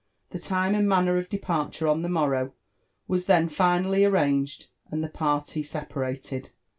The time and manner of departure on the morrow was then Gnaliy arranged, and the parly separated.